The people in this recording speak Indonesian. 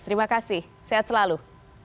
terima kasih sehat selalu